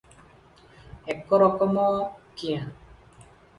ଏକରକମ କିଆଁ?